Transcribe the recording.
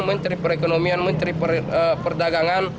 menteri perekonomian menteri perdagangan